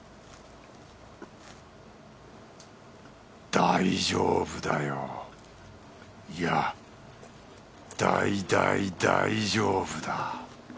大丈夫だよ。いや大大大丈夫だ